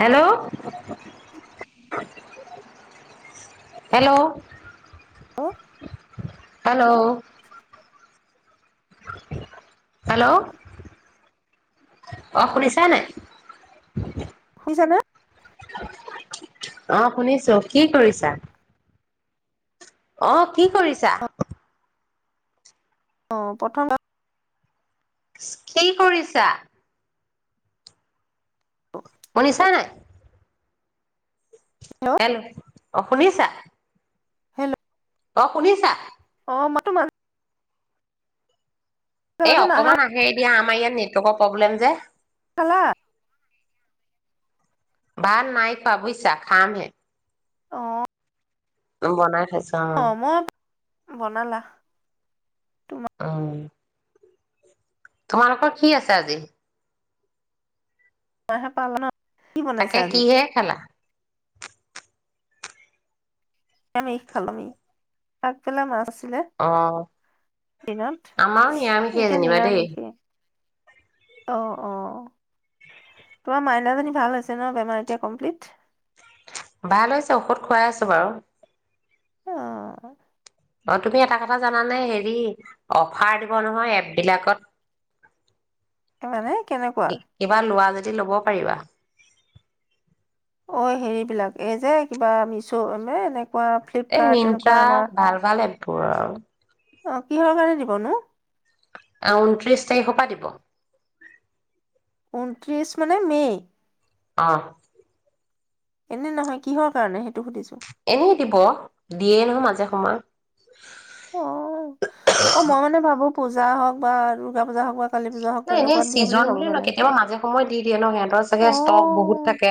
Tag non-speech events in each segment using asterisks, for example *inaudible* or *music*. Hello, hello, hello hello? Hello, ' অ, শুনিছা নাই? শুইছানে? অ', শুনিছো কি কৰিছা? অ, কি কৰিছা? অ প্ৰথম কি কৰিছা? সোনিচা নাই। হেল্ল' *unintelligible* অ শুনিছা? হেল্ল' অ শুনিছা? অ মাতো মান এ নাহা অকমান আহে দিয়া আমাৰ ইয়াত নেটৱৰ্কৰ প্ৰব্লেম যে। সোলা ভাত নাই খোলা বোইছা খাম হে। অ। উম বনাই খায়। অ মই বনালা? ও। তোমালোকৰ কি আছে আজি? *unintelligible* পাল ন কি বনাইছা তাকে আজি? কিহেৰে খালা? আমি *unintelligible* অ দিনত আমাৰু নিৰামিখ সেই এতিয়া যেনিবা দেই। নিৰামিষে অ অ তোমাৰ মাইনা জণী ভাল হৈছে ন বেমাৰ এতিয়া কমপ্লিট? ভাল হৈছে ঔষধ খুৱাই আছো বাৰু। অ। অ তুমি এটা কথা জানানে হেৰি অফাৰ দিব নহয় এপ বিলাকত। মানে কেনেকুৱা? কি- কিবা লোৱা যদি ল'ব পাৰিবা। অঐ হেৰিবিলাক এই যে কিবামিছ' মে এনে এই ফ্লিপকাৰ্ট এনেকুৱা মিন্ট্ৰা আমাৰ ভাল ভাল এপ পৰা। অ কিহৰ কাৰণে দিবনো? আ ঊনত্ৰিছ তাৰিখৰ পৰা দিব। ঊনত্ৰিছ মানে মে'? অহ। এনে নহয় কিহৰ কাৰণে সেই এনেই দিব। দিয়ে নহয় মাজে সময়ত। অ', অ' মই মানে ভাবো পূজা হওক বা দুৰ্গা পূজা হওক বা কালী পূজা হওক নাই এনেই তেনেকুৱাত দিয়ে চিজন ভাবো বুলি নই মানে কেতিয়াবা মাজে সময় দি দিয়ে ন সেহেঁতৰ অ চাগে ষ্টক বহুত থাকে।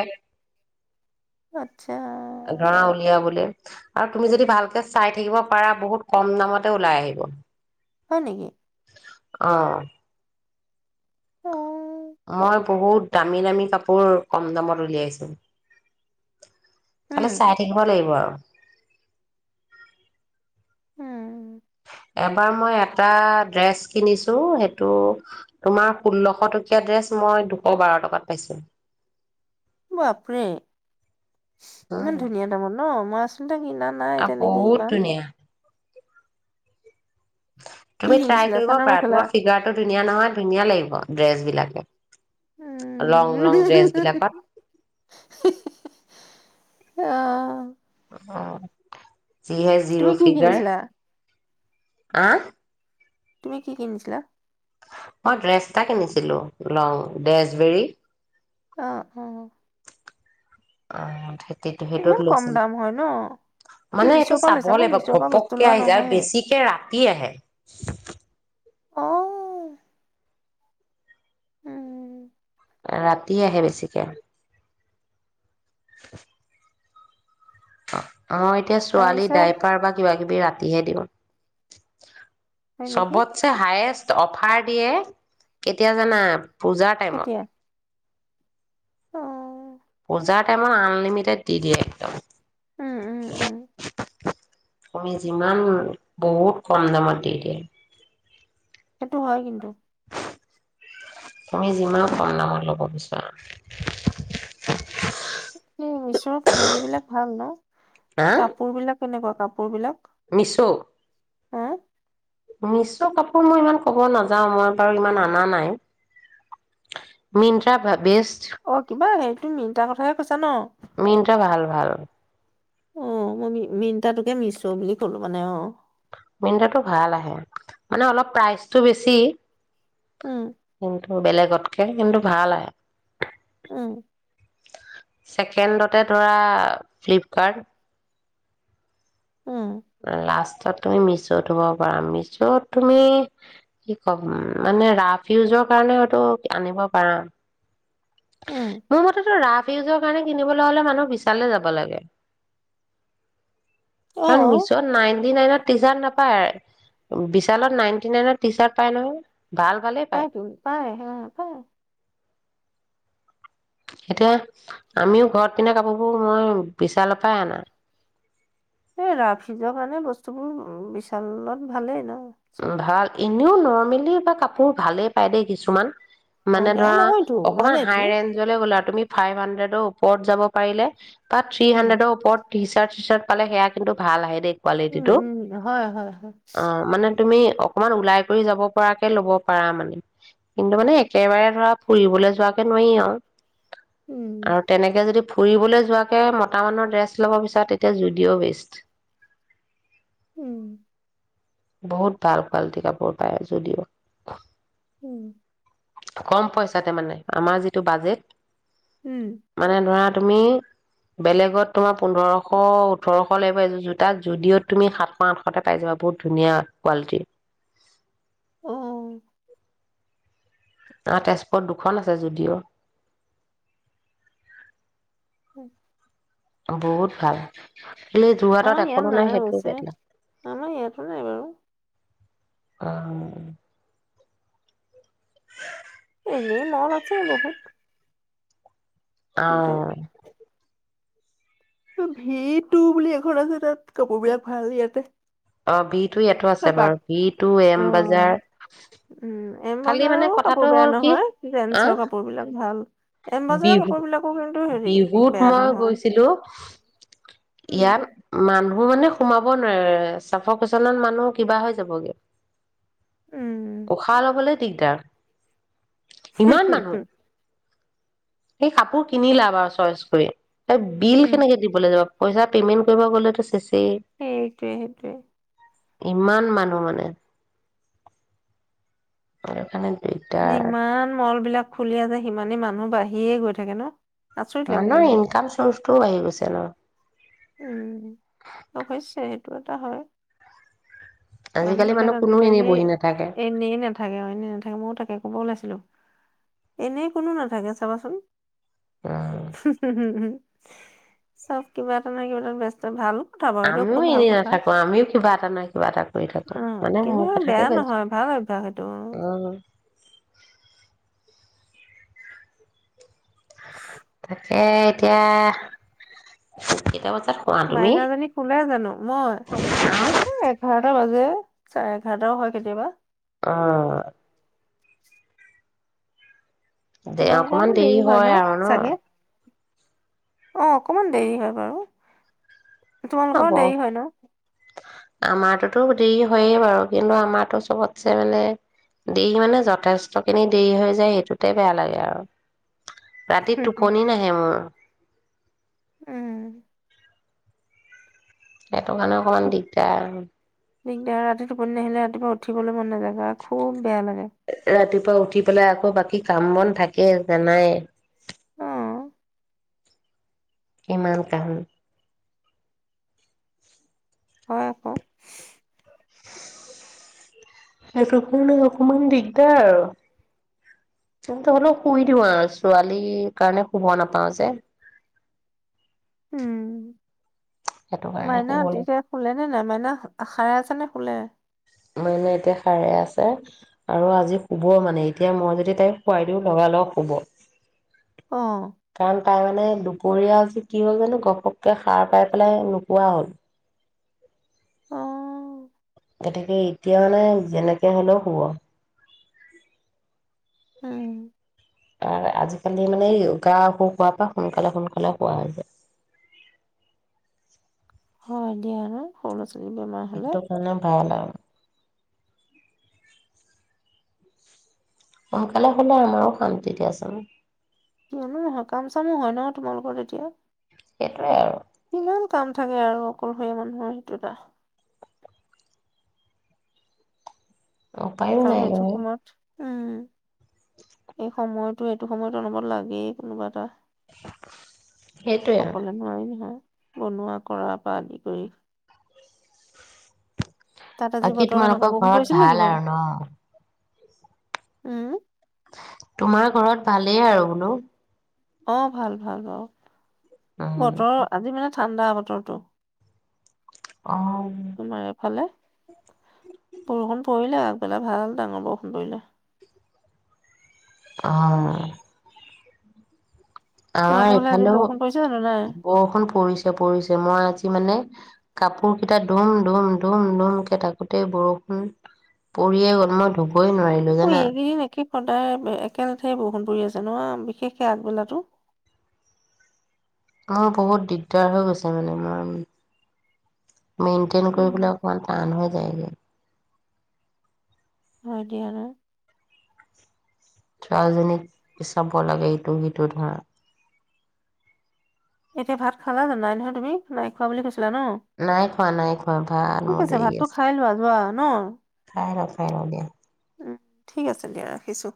আচ্ছা ধৰা উলিয়াবলে। আৰু তুমি যদি ভালকে চাই থাকিব পাৰা, বহুত কম দামতে ওলাই আহিব। হয় নেকি? অঁ। অ মই বহুত দামী, দামী কাপোৰ কম দামত উলিয়াইছো। খালি উম চাই থাকিব লাগিব আৰু। *inaudible* উম এবাৰ মই এটা ড্ৰেছ কিনিছো সেইটো তোমাৰ ষোল্লশ টকীয়া ড্ৰেছ মই দুশ বাৰ টকাত পাইছো। বাপৰে। উম ইমান ধুনীয়া দামৰ ন? *unintelligible* *unintelligible* কিনা নাই আৰু তেনেকে বহুত ইমান। ধুনীয়া কি তুমি ট্ৰাই কিনিছিলা কৰিব চাদৰ পাৰা, মেখেলা তোমাৰ ফিগাৰটো ধুনীয়া নহয় ধুনীয়া লাগিব ড্ৰেছ বিলাকে। লং উম। লং ড্ৰেছ বিলাকত অ'। অ'। যিহে জিৰো তুমি কি ফিগাৰ। কিনিছিলা আঁ। তুমি কি কিনিছিলা? মই ড্ৰেছ এটা কিনিছিলো লং ডেজবেৰী। অ', অ'। অ *unintelligible* থেইটো - সেইটোত ইমান কম লৈছিলো। দাম হয় ন কি মানে এইটো মিছ'ৰ পৰা লৈছা মই চাবলে বা মিছ'ৰ পৰা বস্তু ঘপককে লোৱা আহি যায় আৰু নহয়ে বেছিকে ৰাতি আহে। অ'। উম, ৰাতি আহে বেছিকে। *inaudible* *unintelligible* অ', এতিয়া ছোৱালী তাৰপিছত দাইপাৰ বা কিবা কিবি ৰাতিহে দিওঁ। হয় নেকি চবতছে হায়েষ্ট অফাৰ দিয়ে কেতিয়া জানা? পূজাৰ কেতিয়া? টাইমত। অ। পূজাম আনলিমিটেড দি দেযে একদম। উম, উম, উম, *inaudible* আমি যিমান বহুত কম দামত দি দিয়ে। সেইটো হয় কিন্তু তুমি যিমান দায়ত লব বিচৰা অও মিচত হেৰি বিলাক ভাল ন কাপোৰ বিলাক। কেনেকুৱা কাপোৰ বিলাক মিছোত হা মিছো কাপোৰ মই ইমান কব নাযাও মই বাৰু ইমান অনা নাই মিণ্ট্ৰা বেচ অ কিবা সেই তুমি মিন্ট্ৰাৰ কথাহে কৈছা ন মিনট্ৰা ভাল ভাল। অ মই মিনট্ৰাতোকে মিছো বুলি কলো মানে অ মিনট্ৰাতো ভাল আহে মানে অলপ প্ৰাইচটো বেছি উম কিন্তু বেলেগতকে কিন্তু ভাল আহে উম ছেকেণ্ডতে ধৰা ফ্লিপকাৰ্ট উম, লাষ্টত তুমি মিছ'ত থুব পাৰা মিছ'ত তুমি কি ক'ম মানে ৰাফ ইউজৰ কাৰণে হয়টো আনিব পাৰা উম, মোৰ মতেতো ৰাফ ফিউজৰ কাৰণে কিনিবলৈ হলে মানুহ বিশাললে যাব লাগে। অ তাৰ পিছত নাইনটি নাইনত টি চাৰ্ট নাপায় বিশালত নাইনটি নাইনত টি চাৰ্ট পাই নহয় ভাল ভালেই পায় পাইতো পাই হেয়া পাই এতিয়া আমিও ঘৰত পিন্ধা কাপোৰবোৰ মই বিশালৰ পৰাই অনা এ ৰাফ ইউজৰ কাৰণে বস্তুবোৰ বিশালত ভালেই ন চব? ভাল এনেও নৰমেল নৰ্মেলি বা কাপোৰ ভালেই পায় দেই কিছুমান অ', মানে বেয়া ধৰা নহয়তো অকমান ভালেইতো, হাই ৰেঞ্জলে গ'ল আৰু তুমি ফাইভ হাণ্ড্ৰেডৰ ওপৰত যাব পাৰিলে তাত থ্ৰী উম। হাণ্ড্ৰেডৰ ওপৰত দিছ তাত চাৰ্ট পালে, সেইয়া কিন্তু ভাল আহে দেই উম, কোৱালিটিটো। উম, হয়, হয়, হয়। অ', মানে তুমি অকণমান ওলাই কৰি যাব পৰাকে ল'ব পাৰা। মানে, কিন্তু, মানে, একেবাৰে ধৰা ফুৰিবলৈ যোৱাকে নোৱাৰি আৰু উম, আৰু তেনেকে যদি ফুৰিবলৈ যোৱাকে মতা মানুহৰ ড্ৰেছ ল'ব বিচাৰা তেতিয়া, জুডিঅ' বেষ্ট উম। বহুত ভাল কোৱালিটিৰ কাপোৰ পায় জুডিঅ'ত। উম। কম পইচাতে, মানে, আমাৰ যিটো বাজেট উম, মানে, ধৰা তুমি বেলেগত তোমাৰ পোন্ধৰশ, ওঠৰশলৈ গৈ আছে। জোতাট জুডিঅ'ত তুমি সাতশ, আঠশতে পাই যাবা। বহুত ধুনীয়া কোৱালিটি অ'। অ', তেজপুৰত দুখন আছে জুডিঅ'। অ', বহুত ভাল। খালি যোৰহাটত আমাৰ ইয়াত এখনো নাই নানাই সেইটোৱে হৈছে, বেয়া আমাৰ ইয়াতো নাই বাৰু। অ'। এনেই মল আছে বহুত কিন্তু অ'। ভি বুলি এখন আছে তাত কাপোৰ বিলাক ভাল ইয়াতে অ' বি টো ইয়াতো আছে বাক বাৰু ভ টু অ', এম বাজাৰ উম, এম খালি মানে বাজাৰো কথাটো কাপোৰ বেয়া হ'ল কি নহয় আ জেন্ছৰ কাপোৰ বিলাক। ভাল। এম বজাৰৰ বিহু কাপোৰ বিলাকো কিন্তু হেৰি বিহুত বেয়া মই নহয়, গৈছিলো উম, ইয়াৰ ম মানুহ মানে সোমাব নোৱাৰে চাফৰ *inaudible* মানুহ কিবা হৈ যাবগে উম, উষা লবলৈ দিগদাৰ ইমান মানুহ। এই কাপোৰ কিনিলা বাৰু চইচ কৰি ত বিল উম, কেনেকে দিবলৈ যাবা? পইচা পেমেণ্ট কৰিব গ'লেটো সেইটোৱে সেইটোৱে। ইমান মানুহ মানে আৰু কাৰণে দিগদাৰ যিমান মল বিলাক খুলি আছে সিমানেই মানুহ বাঢ়িয়ে গৈ থাক থাকে ন আচৰিত অ' লাগে ন কিন্তু ইনকাম চ টো উম *unintelligible* সেইটো এটা হয়। মানুহ আজিকালি বিলাক কোনো আজিকালি এনেই বহি নাথাকে এনেই নাথাকে অনে নাথাকে ময়ো তাকে ক'ব ওলাইছিলো। এনেই কোনো নাথাকে চাবাচোন। উম হুমহু হুমহু চব কিবা এটা নহয় কিবা এটা ব্যস্ত ভাল। কথা বাৰু সেইটো আমিও এনেই নাথাকো আমিও কিবা এটা নহয় কিবা এটা কৰি থাকো উ, মানে কিন্তু মোৰ কথাকে বেয়া কৈছো নহয় ভাল অভ্যাস এইটো। উম এ এতিয়া কেইটা বজাত শুৱা তুমি মাইনাজনী শুলে জানো? মই এ এঘাৰটা বাজে। চাৰে এঘাৰটাও হয় কেতিয়াবা। অ দেৰি অকমান দেৰি হয় আৰু ন। অ অকমান দেৰি হয় বাৰু। তোমালোকৰ ও হ'ব দেৰি হয় ন? আমাৰটোতো দেৰি হয়ে বাৰু। কিন্তু আমাৰটো চবতছে বেলেগ, দেৰি মানে দেৰি মানে যথেষ্টখিনি দেৰি হৈ যায় সেইটোতে বেয়া লাগে আৰু। ৰাতি টোপনি নাহে মোৰ। উম। সেইটো কাৰণে অকণমান দিগদাৰ আৰু। দিগদৰ ৰাতি টোপনী নাহিলে ৰাতিপুৱা উঠিবলো। মন নাযায় গা খুব বেয়া লাগে। আকৌ উঠি, পেলাই আকৌ বাকী কাম বন থাকে জানাই। অ', কিমান কাম। হয় আকৌ। *unintelligible* সেইটো কাৰণে অকমান দিগদাৰ আৰু, কিন্তু হলেও শুই দিওঁ আৰু ছোৱালীৰ কাৰণে শুব নাপাও যে। উম। সেইটো কাৰণে মাইনা শুব লাগে এতিয়া শুলে নে নাই? মাইনা সাৰে আছে নে? শুলে। মইনা এতিয়া সাৰে আছে আৰু আজি শুব মানে এতিয়া মই যদি তাইক খুৱাই দিওঁ লগা লগ শুব। অ', কাৰণ তাই মানে। দুপৰীয়া আজি কি হ'ল জানো গপ-গপকে সাৰ পাই পেলাই নোশুৱা হ'ল। অ', গতিকে এতিয়া মানে যেনেকে হলেও শুব। উম। কাৰণ আজিকালি মানে গা অসুখ হোৱাৰ পৰা সোনকালে সোনকালে শুৱা হৈছে। হয় দিয়া ন, সৰু ল'ৰা-ছোৱালী। হেইটো কাৰণে ভাল আৰু। সোনকালে শুলে আমাৰো শান্তি দিয়াচোন। কিয়নো নহয় কাম চামো হয় ন, তোমালোকৰ তেতিয়া। সেইটোৱে আৰু। কিমান কাম থাকে আৰু অকলশৰীয়া মানুহৰ সেইটো এটা। উপায়ো আৰু নাই সেইটো এনে। সময়ত উম এই সময়টো এইটো সময়তো অলপত লাগেই কোনোবা এটা সেইটোৱে আৰু। অকলে নোৱাৰি নহয়। বনোৱা কৰা বা আদি কৰি তাত আজি বাকী বতৰ কেনেকুৱা তোমালোকৰ বৰষুণ ঘৰত পৰিছিল নেকি ভাল বাৰু? আৰু ন? উম। তোমাৰ ঘৰত ভালেই আৰু ন? অ' ভাল ভাল অ' উম, বতৰৰ আজি মানে ঠাণ্ডা বতৰটো। অ', তোমাৰ এইফালে বৰষুণ পৰিলে। পেলাই ভাল ডাঙৰ বৰুষুন কৰিৰিলে। অ'। আমাৰ তোমালোকৰ ফালে আজি ইফালেও বৰষুণ পৰিছে জানো নাই? বৰষুণ পৰিছে, পৰিছে, মই আজ মানে কাপোৰ কেইটা ধুম, ধুম, ধুম, ধুম কে থাকোতে বৰষুণ পৰিয়ে গ'ল মই ধুপ ক'বই নোৱাৰিলো অ' জানা। এইকেইদিন একে সদায় একেলঠে বৰষুণ পৰি আছে ন' বিশেষকে আগবেলাটো। অ', বহুত দিগদাৰ হৈ গৈছে মানে মই মেইনটেইন উম, কৰিবলে অকমান টান। *unintelligible* হয় দিয়া ন'। ছোৱালীজনীক চাব লাগে সটো সিটো ধৰা এতিয়া ভাত খালা নাই নহয় তুমি? নাই খোৱা বুলি কৈছ নাই খোৱা, নাই খোৱা, ভাত ঠিক মোৰ দেৰি ভাতটো আছে। খাই লোৱা যোৱা ন'। খাই ৰ' খাই ৰ' দিয় উম, ঠিক আছে দিয়া ৰাখিছো।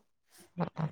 উম, উম।